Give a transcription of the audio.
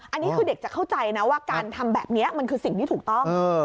อันนี้คือเด็กจะเข้าใจนะว่าการทำแบบนี้มันคือสิ่งที่ถูกต้อง